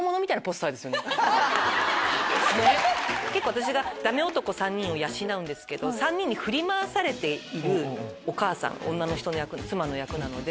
私がダメ男３人を養うんですけど３人に振り回されているお母さん妻の役なので。